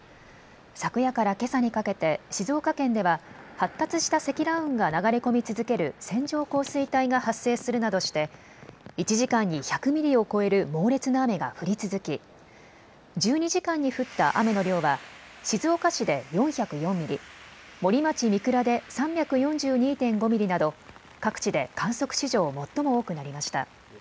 昨夜からけさにかけて静岡県では発達した積乱雲が流れ込み続ける線状降水帯が発生するなどして１時間に１００ミリを超える猛烈な雨が降り続き１２時間に降った雨の量は静岡市で４０４ミリ、森町三倉で３４２．５ミリなど各地で観測史上最も多くなりました。